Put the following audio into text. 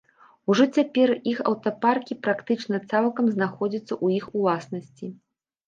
Ужо цяпер іх аўтапаркі практычна цалкам знаходзяцца ў іх уласнасці.